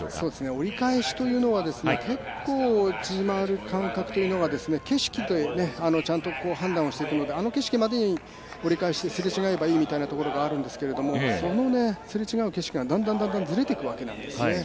折り返しというのは結構、縮まる感覚というのが景色でちゃんと判断をしていくのであの景色までに折り返してすれ違えばいいというのがあるんですけどそのすれ違う景色がだんだん、ずれていくわけですね。